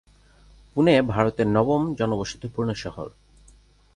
পুনে ভারতের নবম জনবসতিপূর্ণ শহর।